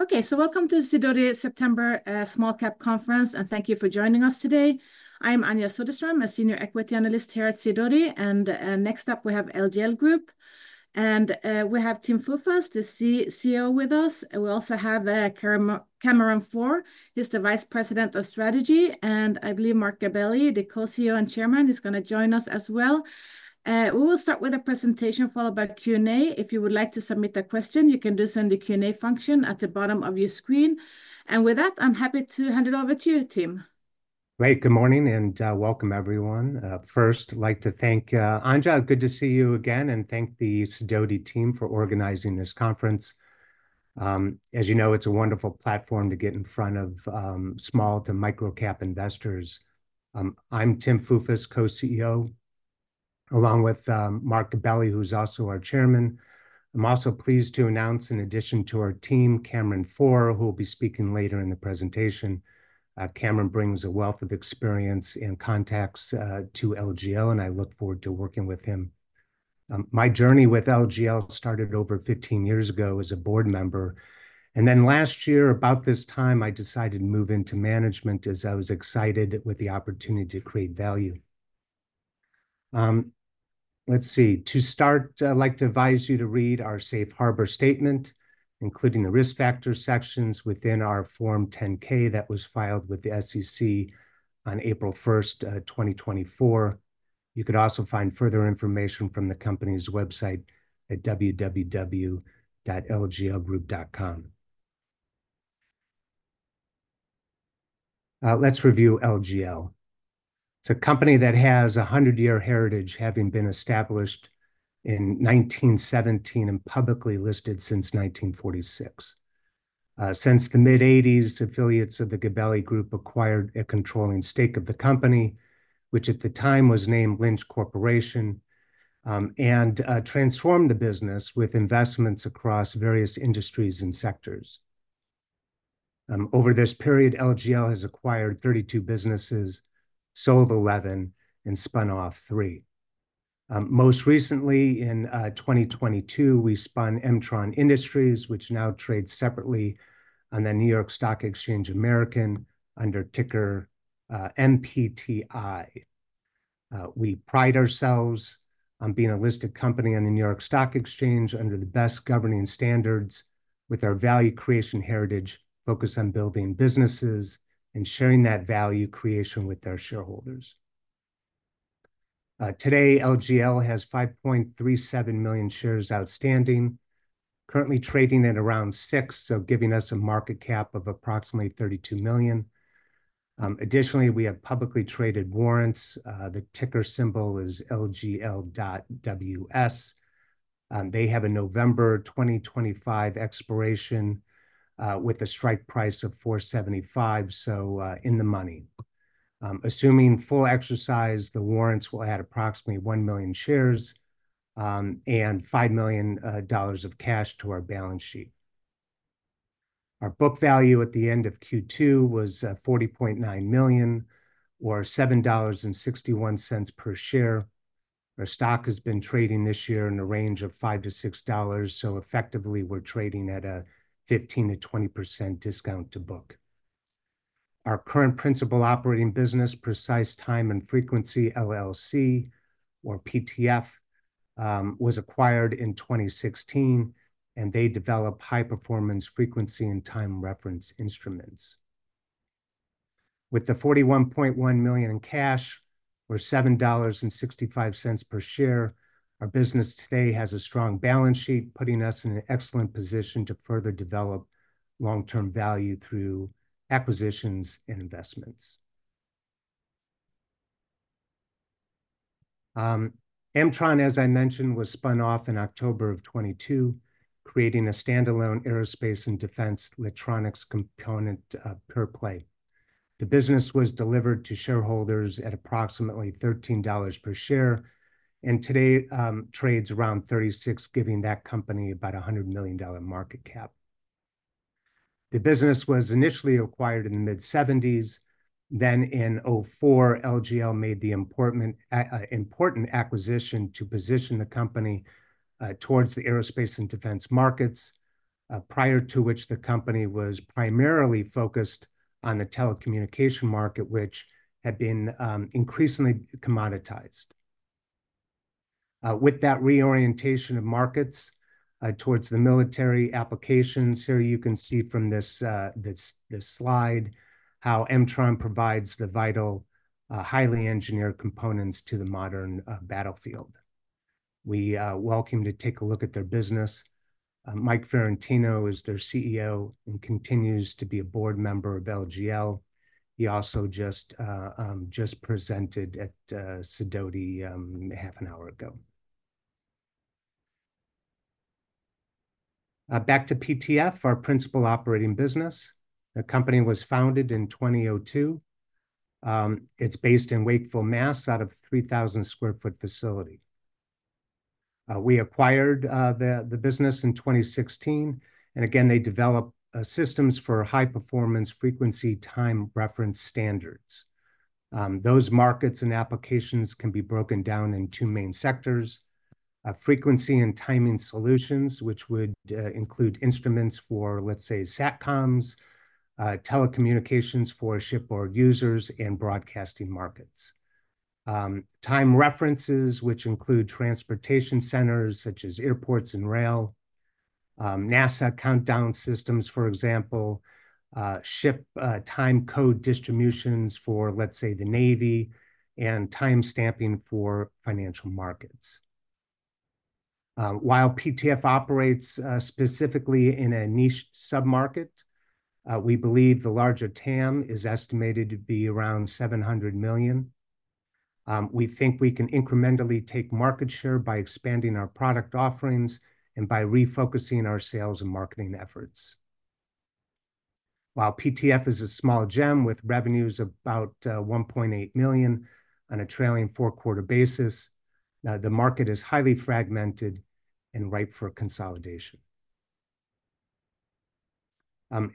Okay, so welcome to Sidoti September Small Cap Conference, and thank you for joining us today. I'm Anja Soderstrom, a senior equity analyst here at Sidoti, and next up, we have LGL Group. We have Tim Foufas, the Co-CEO, with us. We also have Cameron Fore. He's the Vice President of Strategy, and I believe Marc Gabelli, the Co-CEO and Chairman, is gonna join us as well. We will start with a presentation followed by Q&A. If you would like to submit a question, you can just use the Q&A function at the bottom of your screen. With that, I'm happy to hand it over to you, Tim. Great. Good morning, and welcome, everyone. First, I'd like to thank Anja, good to see you again, and thank the Sidoti team for organizing this conference. As you know, it's a wonderful platform to get in front of small to micro-cap investors. I'm Tim Foufas, Co-CEO, along with Marc Gabelli, who's also our chairman. I'm also pleased to announce, in addition to our team, Cameron Fore, who will be speaking later in the presentation. Cameron brings a wealth of experience and contacts to LGL, and I look forward to working with him. My journey with LGL started over fifteen years ago as a board member, and then last year, about this time, I decided to move into management, as I was excited with the opportunity to create value. Let's see. To start, I'd like to advise you to read our safe harbor statement, including the risk factor sections within our Form 10-K that was filed with the SEC on April 1st, 2024. You could also find further information from the company's website at www.lglgroup.com. Let's review LGL. It's a company that has a hundred-year heritage, having been established in 1917 and publicly listed since 1946. Since the mid-'80s, affiliates of the Gabelli Group acquired a controlling stake of the company, which at the time was named Lynch Corporation, and transformed the business with investments across various industries and sectors. Over this period, LGL has acquired 32 businesses, sold 11, and spun off 3. Most recently, in 2022, we spun Mtron Industries, which now trades separately on the New York Stock Exchange American, under ticker MPTI. We pride ourselves on being a listed company on the New York Stock Exchange under the best governing standards with our value creation heritage, focused on building businesses and sharing that value creation with our shareholders. Today, LGL has 5.37 million shares outstanding, currently trading at around $6, so giving us a market cap of approximately $32 million. Additionally, we have publicly traded warrants. The ticker symbol is LGL.WS, and they have a November 2025 expiration, with a strike price of $4.75, so in the money. Assuming full exercise, the warrants will add approximately 1 million shares and $5 million of cash to our balance sheet. Our book value at the end of Q2 was $40.9 million, or $7.61 per share. Our stock has been trading this year in the range of $5-$6, so effectively, we're trading at a 15%-20% discount to book. Our current principal operating business, Precise Time and Frequency, LLC, or PTF, was acquired in 2016, and they develop high-performance frequency and time reference instruments. With the $41.1 million in cash, or $7.65 per share, our business today has a strong balance sheet, putting us in an excellent position to further develop long-term value through acquisitions and investments. Mtron, as I mentioned, was spun off in October of 2022, creating a standalone aerospace and defense electronics component pure-play. The business was delivered to shareholders at approximately $13 per share, and today, trades around $36, giving that company about a $100 million market cap. The business was initially acquired in the mid-1970s, then in 2004, LGL made the important acquisition to position the company towards the aerospace and defense markets, prior to which the company was primarily focused on the telecommunications market, which had been increasingly commoditized. With that reorientation of markets towards the military applications, here you can see from this slide, how Mtron provides the vital highly engineered components to the modern battlefield. We welcome you to take a look at their business. Mike Fiorentino is their CEO and continues to be a board member of LGL. He also just presented at Sidoti half an hour ago. Back to PTF, our principal operating business. The company was founded in 2002. It's based in Wakefield, Massachusetts, out of a 3,000 sq ft facility. We acquired the business in 2016, and again, they develop systems for high-performance frequency time reference standards. Those markets and applications can be broken down in two main sectors: frequency and timing solutions, which would include instruments for, let's say, satcoms, telecommunications for shipboard users, and broadcasting markets. Time references, which include transportation centers, such as airports and rail, NASA countdown systems, for example, ship time code distributions for, let's say, the Navy, and time stamping for financial markets. While PTF operates specifically in a niche sub-market, we believe the larger TAM is estimated to be around $700 million. We think we can incrementally take market share by expanding our product offerings and by refocusing our sales and marketing efforts. While PTF is a small gem with revenues about $1.8 million on a trailing four-quarter basis, the market is highly fragmented and ripe for consolidation.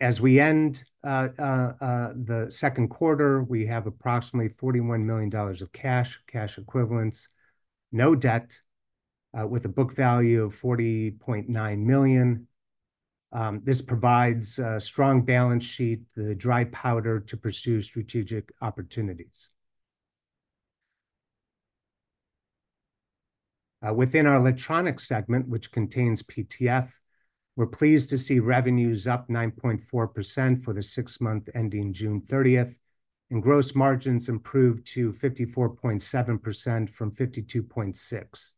As we end the second quarter, we have approximately $41 million of cash, cash equivalents, no debt, with a book value of $40.9 million. This provides a strong balance sheet, the dry powder to pursue strategic opportunities. Within our electronic segment, which contains PTF, we're pleased to see revenues up 9.4% for the six month ending June thirtieth, and gross margins improved to 54.7% from 52.6%.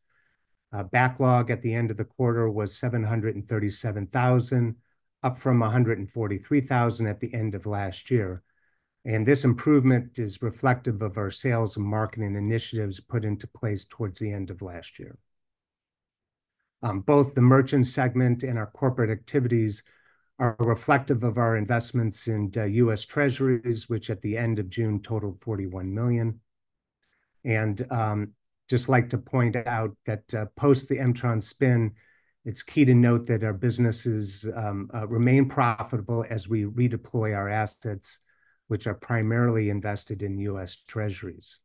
Backlog at the end of the quarter was $737,000, up from $143,000 at the end of last year, and this improvement is reflective of our sales and marketing initiatives put into place towards the end of last year. Both the merchant segment and our corporate activities are reflective of our investments in U.S. Treasuries, which at the end of June totaled $41 million, and just like to point out that post the Mtron spin, it's key to note that our businesses remain profitable as we redeploy our assets, which are primarily invested in U.S. treasuries.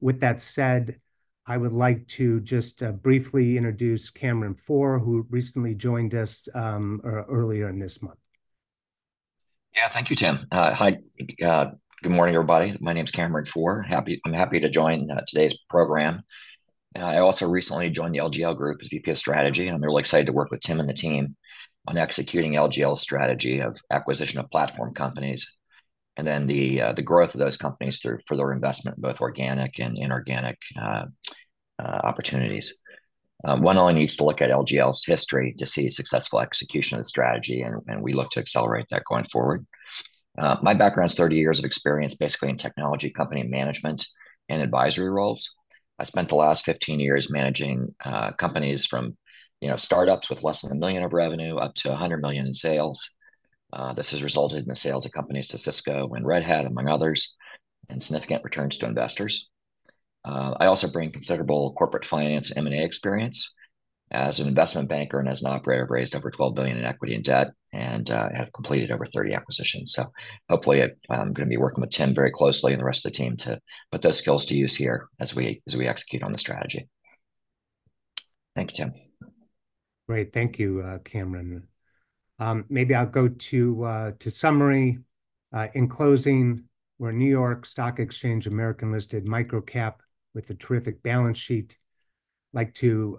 With that said, I would like to just briefly introduce Cameron Fore, who recently joined us earlier in this month. Yeah. Thank you, Tim. Hi, good morning, everybody. My name is Cameron Fore. Happy... I'm happy to join today's program. I also recently joined the LGL Group as VP of Strategy, and I'm really excited to work with Tim and the team on executing LGL's strategy of acquisition of platform companies, and then the growth of those companies through- for their investment, both organic and inorganic opportunities. One only needs to look at LGL's history to see successful execution of the strategy, and we look to accelerate that going forward. My background is thirty years of experience, basically in technology, company management, and advisory roles. I spent the last fifteen years managing companies from, you know, start-ups with less than a million of revenue, up to a hundred million in sales. This has resulted in the sales of companies to Cisco and Red Hat, among others, and significant returns to investors. I also bring considerable corporate finance and M&A experience. As an investment banker and as an operator, I've raised over $12 billion in equity and debt and have completed over 30 acquisitions. So hopefully, I'm gonna be working with Tim very closely and the rest of the team to put those skills to use here as we execute on the strategy. Thank you, Tim. Great. Thank you, Cameron. Maybe I'll go to summary. In closing, we're a NYSE American-listed micro-cap with a terrific balance sheet. Like to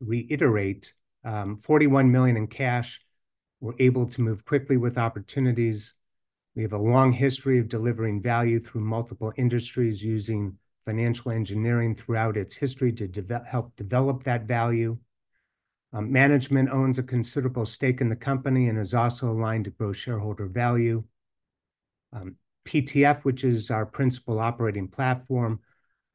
reiterate, $41 million in cash. We're able to move quickly with opportunities. We have a long history of delivering value through multiple industries, using financial engineering throughout its history to help develop that value. Management owns a considerable stake in the company and is also aligned to grow shareholder value. PTF, which is our principal operating platform,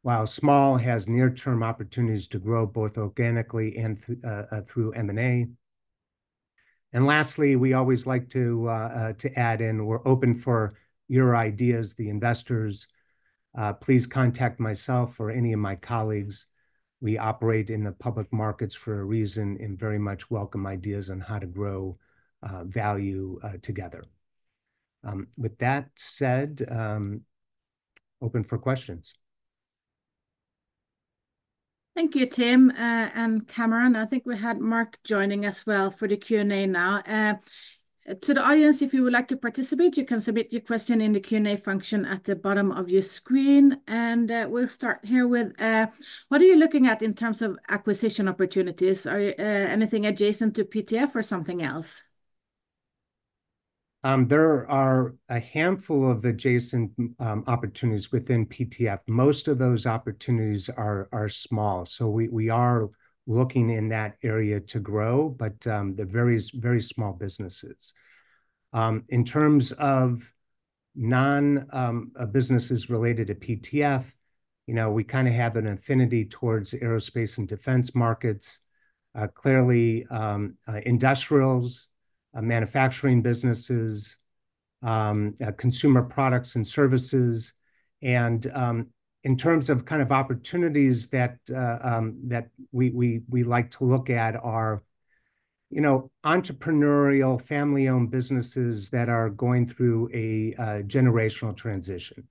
while small, has near-term opportunities to grow, both organically and through M&A. Lastly, we always like to add in, we're open for your ideas, the investors. Please contact myself or any of my colleagues. We operate in the public markets for a reason, and very much welcome ideas on how to grow value together. With that said, open for questions. Thank you, Tim, and Cameron. I think we had Marc joining as well for the Q&A now. To the audience, if you would like to participate, you can submit your question in the Q&A function at the bottom of your screen, and we'll start here with: "What are you looking at in terms of acquisition opportunities? Are anything adjacent to PTF or something else? There are a handful of adjacent opportunities within PTF. Most of those opportunities are small, so we are looking in that area to grow, but they're very, very small businesses. In terms of non-PTF businesses, you know, we kinda have an affinity towards aerospace and defense markets, clearly, industrials, manufacturing businesses, consumer products and services. And in terms of kind of opportunities that we like to look at, you know, entrepreneurial, family-owned businesses that are going through a generational transition,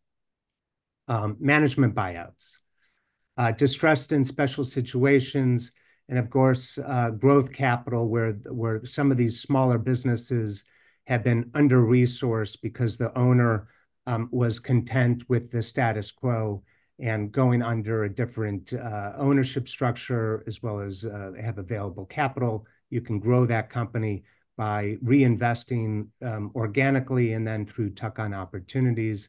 management buyouts, distressed and special situations, and of course, growth capital, where some of these smaller businesses have been under-resourced because the owner was content with the status quo. And going under a different ownership structure, as well as have available capital, you can grow that company by reinvesting organically, and then through tuck-on opportunities.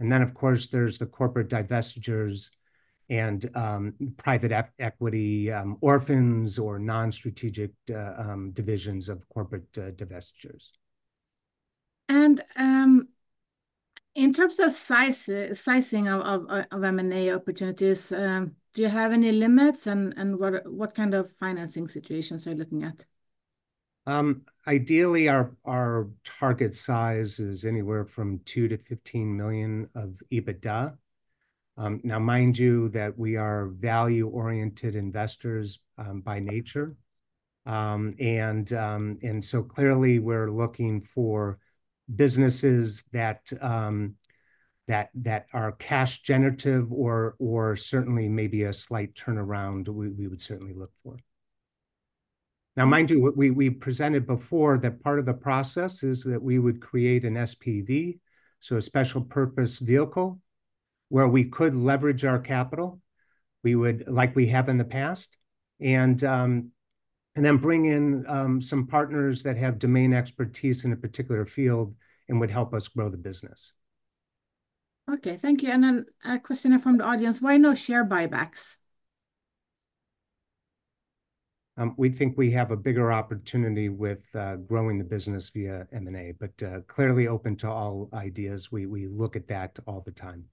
And then, of course, there's the corporate divestitures and private equity orphans or non-strategic divisions of corporate divestitures. In terms of size, sizing of M&A opportunities, do you have any limits, and what kind of financing situations are you looking at? Ideally, our target size is anywhere from $2 million-$15 million of EBITDA. Now mind you, that we are value-oriented investors by nature. So clearly we're looking for businesses that are cash-generative, or certainly maybe a slight turnaround we would certainly look for. Now, mind you, what we presented before, that part of the process is that we would create an SPV, so a special purpose vehicle, where we could leverage our capital. We would like we have in the past, and then bring in some partners that have domain expertise in a particular field and would help us grow the business. Okay, thank you, and then a question here from the audience, "Why no share buybacks? We think we have a bigger opportunity with growing the business via M&A, but clearly open to all ideas. We look at that all the time.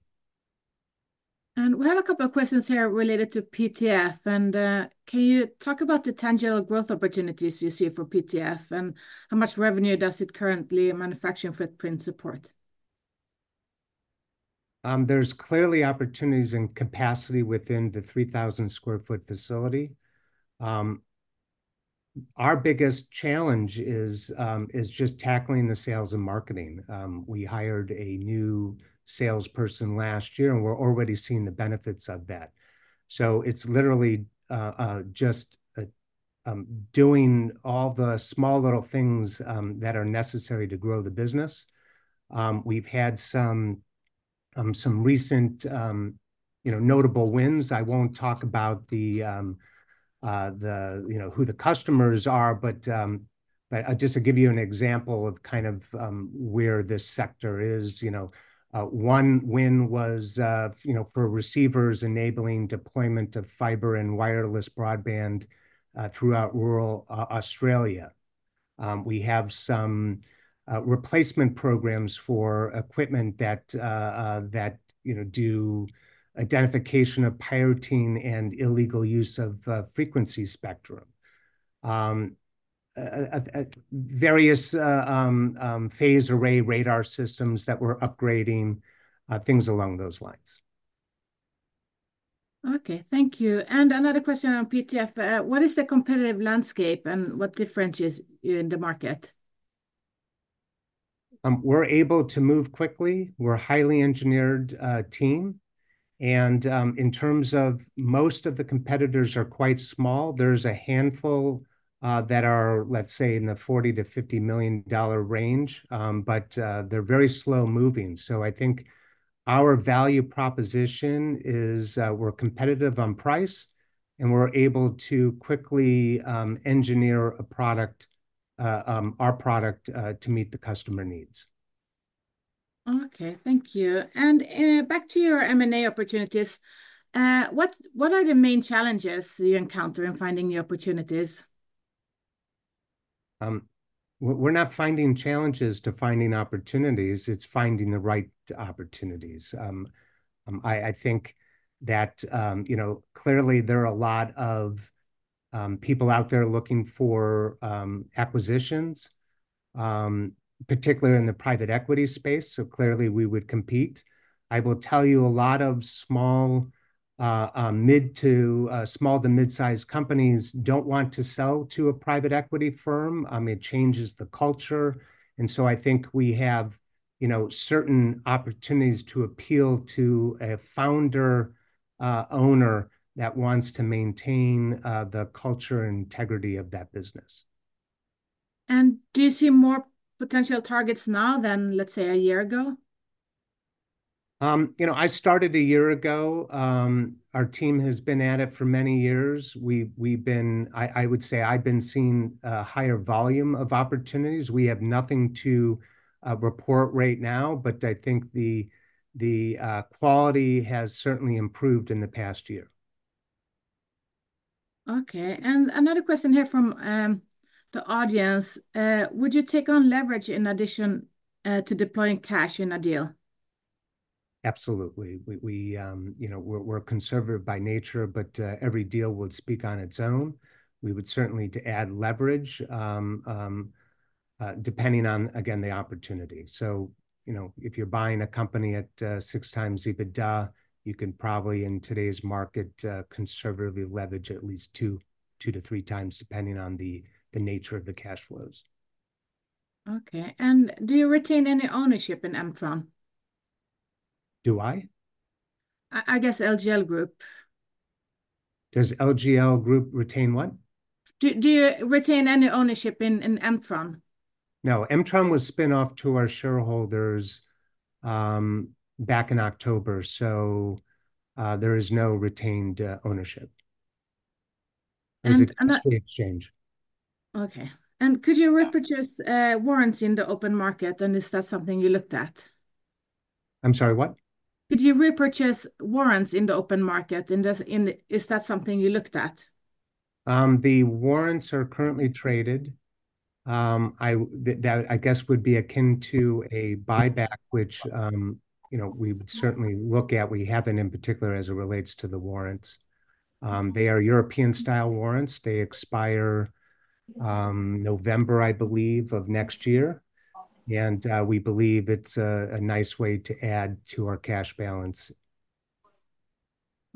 We have a couple of questions here related to PTF, and can you talk about the tangible growth opportunities you see for PTF, and how much revenue does its current manufacturing footprint support? There's clearly opportunities and capacity within the 3,000 sq ft facility. Our biggest challenge is just tackling the sales and marketing. We hired a new salesperson last year, and we're already seeing the benefits of that. So it's literally just doing all the small, little things that are necessary to grow the business. We've had some recent, you know, notable wins. I won't talk about the, you know, who the customers are, but just to give you an example of kind of where this sector is, you know, one win was for receivers enabling deployment of fiber and wireless broadband throughout rural Australia. We have some replacement programs for equipment that, you know, do identification of pirating and illegal use of frequency spectrum. Various phased array radar systems that we're upgrading, things along those lines. Okay, thank you. And another question on PTF: "What is the competitive landscape, and what differentiates you in the market? We're able to move quickly. We're a highly engineered team, and in terms of... Most of the competitors are quite small. There's a handful that are, let's say, in the $40 million-$50 million range, but they're very slow-moving. So I think our value proposition is, we're competitive on price, and we're able to quickly engineer a product, our product, to meet the customer needs. Okay, thank you. And back to your M&A opportunities, what are the main challenges you encounter in finding new opportunities? We're not finding challenges to finding opportunities, it's finding the right opportunities. I think that, you know, clearly there are a lot of people out there looking for acquisitions, particularly in the private equity space, so clearly we would compete. I will tell you, a lot of small, mid to, small to mid-sized companies don't want to sell to a private equity firm. It changes the culture, and so I think we have, you know, certain opportunities to appeal to a founder, owner that wants to maintain, the culture and integrity of that business. Do you see more potential targets now than, let's say, a year ago? You know, I started a year ago. Our team has been at it for many years. We've been. I would say I've been seeing a higher volume of opportunities. We have nothing to report right now, but I think the quality has certainly improved in the past year. Okay, and another question here from the audience: "Would you take on leverage in addition to deploying cash in a deal? Absolutely. We, you know, we're conservative by nature, but every deal would speak on its own. We would certainly to add leverage. Depending on, again, the opportunity. So, you know, if you're buying a company at 6x EBITDA, you can probably, in today's market, conservatively leverage at least 2x-3x, depending on the nature of the cash flows. Okay, and do you retain any ownership in Mtron? Do I? I guess LGL Group. Does LGL Group retain what? Do you retain any ownership in M-tron? No, M-tron was spun off to our shareholders back in October, so there is no retained ownership. And, and- It was a straight exchange. Okay. And could you repurchase warrants in the open market, and is that something you looked at? I'm sorry, what? Could you repurchase warrants in the open market, and is that something you looked at? The warrants are currently traded. I guess would be akin to a buyback, which, you know, we would certainly look at. We haven't in particular as it relates to the warrants. They are European-style warrants. They expire November, I believe, of next year, and we believe it's a nice way to add to our cash balance.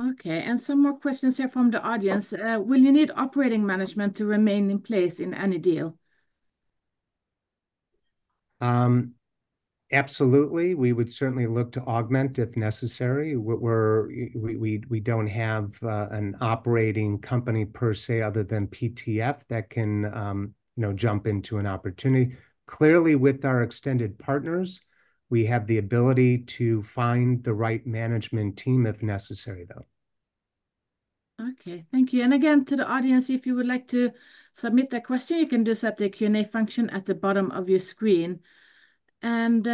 Okay, and some more questions here from the audience. Will you need operating management to remain in place in any deal? Absolutely. We would certainly look to augment if necessary. We don't have an operating company per se, other than PTF, that can, you know, jump into an opportunity. Clearly, with our extended partners, we have the ability to find the right management team if necessary, though. Okay, thank you. And again, to the audience, if you would like to submit a question, you can just hit the Q&A function at the bottom of your screen. And,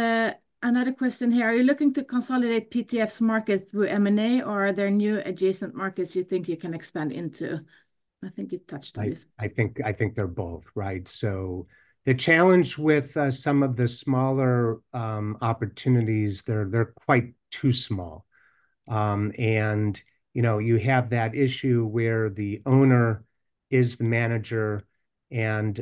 another question here, are you looking to consolidate PTF's market through M&A, or are there new adjacent markets you think you can expand into? I think you touched on this. I think they're both right? So the challenge with some of the smaller opportunities, they're quite too small, and you know, you have that issue where the owner is the manager, and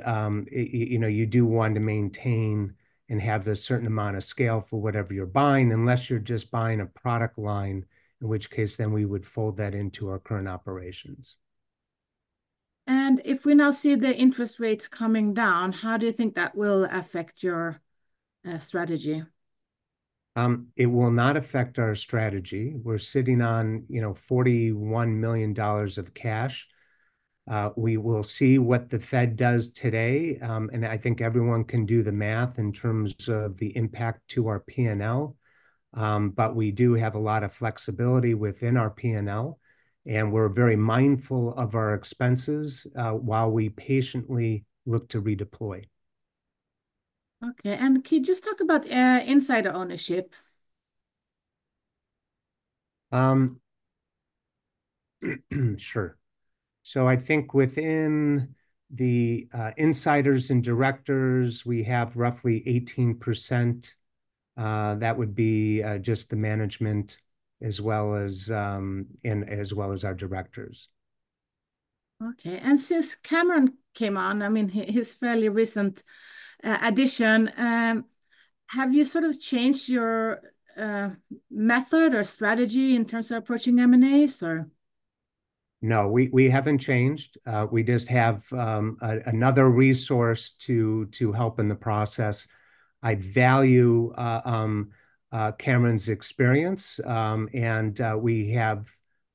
you know, you do want to maintain and have a certain amount of scale for whatever you're buying, unless you're just buying a product line, in which case, then we would fold that into our current operations. And if we now see the interest rates coming down, how do you think that will affect your strategy? It will not affect our strategy. We're sitting on, you know, $41 million of cash. We will see what the Fed does today, and I think everyone can do the math in terms of the impact to our P&L, but we do have a lot of flexibility within our P&L, and we're very mindful of our expenses, while we patiently look to redeploy. Okay, and can you just talk about insider ownership? Sure. So I think within the insiders and directors, we have roughly 18%. That would be just the management as well as our directors. Okay, and since Cameron came on, I mean, his fairly recent addition, have you sort of changed your method or strategy in terms of approaching M&As, or...? No, we haven't changed. We just have another resource to help in the process. I value Cameron's experience, and we have,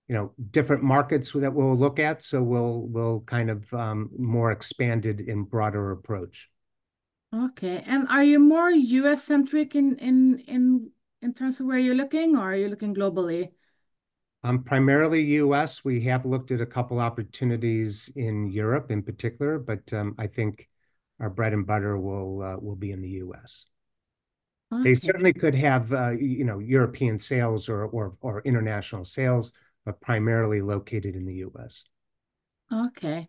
you know, different markets that we'll look at, so we'll kind of more expanded in broader approach. Okay, and are you more U.S.-centric in terms of where you're looking, or are you looking globally? Primarily U.S. We have looked at a couple opportunities in Europe in particular, but I think our bread and butter will be in the U.S. Okay. They certainly could have, you know, European sales or international sales, but primarily located in the U.S. Okay.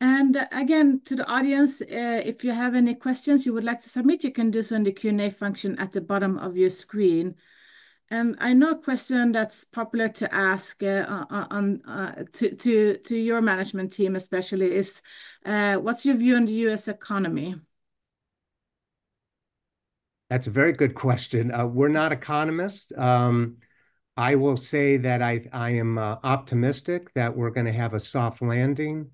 And again, to the audience, if you have any questions you would like to submit, you can do so in the Q&A function at the bottom of your screen. And I know a question that's popular to ask on to your management team especially, is what's your view on the U.S. economy? That's a very good question. We're not economists. I will say that I am optimistic that we're gonna have a soft landing.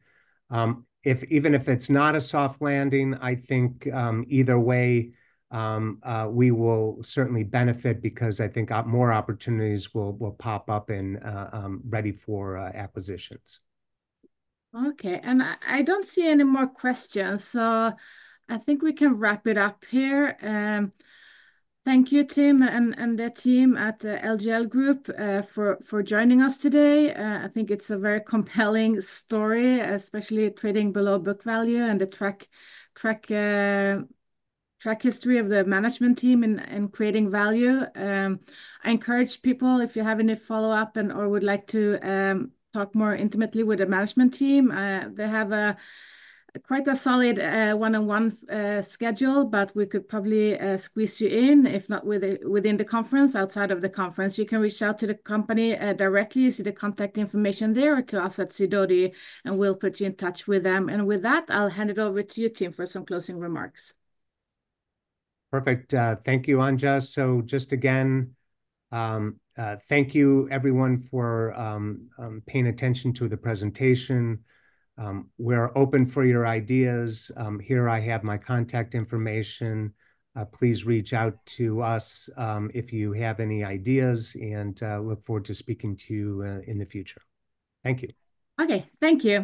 Even if it's not a soft landing, I think either way we will certainly benefit because I think more opportunities will pop up and ready for acquisitions. Okay, and I don't see any more questions, so I think we can wrap it up here. Thank you, Tim, and the team at LGL Group for joining us today. I think it's a very compelling story, especially trading below book value, and the track history of the management team in creating value. I encourage people, if you have any follow-up and/or would like to talk more intimately with the management team, they have quite a solid one-on-one schedule, but we could probably squeeze you in, if not within the conference, outside of the conference. You can reach out to the company directly, you see the contact information there, or to us at Sidoti, and we'll put you in touch with them. With that, I'll hand it over to you, Tim, for some closing remarks. Perfect. Thank you, Anja. So just again, thank you everyone for paying attention to the presentation. We're open for your ideas. Here I have my contact information. Please reach out to us if you have any ideas, and look forward to speaking to you in the future. Thank you. Okay, thank you.